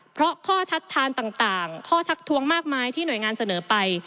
เพราะข้อทัดทานต่างข้อทักทวงมากมายที่หน่วยงานเสนอไป